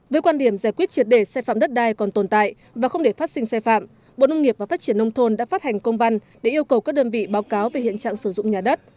với quan điểm giải quyết triệt đề sai phạm đất đai còn tồn tại và không để phát sinh sai phạm bộ nông nghiệp và phát triển nông thôn đã phát hành công văn để yêu cầu các đơn vị báo cáo về hiện trạng sử dụng nhà đất